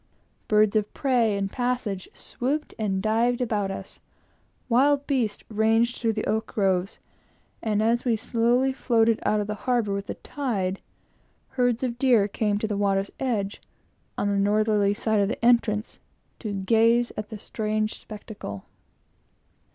Birds of prey and passage swooped and dived about us, wild beasts ranged through the oak groves, and as we slowly floated out of the harbor with the tide, herds of deer came to the water's edge, on the northerly side of the entrance, to gaze at the strange spectacle.